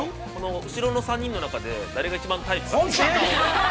後ろの３人の中で誰が一番タイプか。